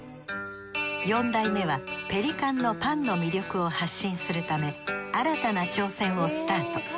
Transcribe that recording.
四代目はペリカンのパンの魅力を発信するため新たな挑戦をスタート。